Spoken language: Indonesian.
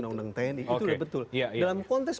undang undang tni itu udah betul dalam konteks